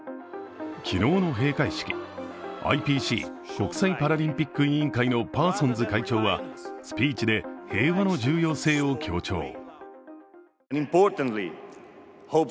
昨日の閉会式、ＩＰＣ＝国際パラリンピック委員会のパーソンズ会長は、スピーチで平和の重要性を強調。